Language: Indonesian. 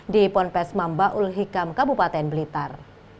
di ponpes mambaul hikam kabupaten blitar